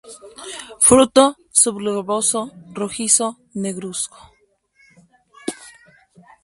Fruto subgloboso, rojizo negruzco.